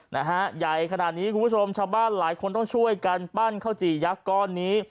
นะฮะใหญ่ขนาดนี้คุณผู้ชมชาวบ้านหลายคนต้องช่วยกันปั้นข้าวจี่ยักษ์ก้อนนี้